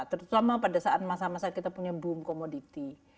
terutama pada saat masa masa kita punya boom commodity